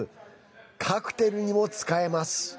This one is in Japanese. カクテルにも使えます。